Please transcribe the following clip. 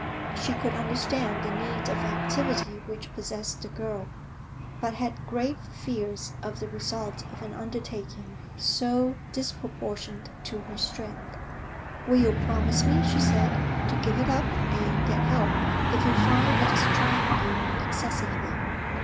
She could understand the need of activity which possessed the girl, but had grave fears of the result of an undertaking so disproportioned to her strength. 'Will you promise me,' she said, 'to give it up and get help if you find it is trying you excessively?'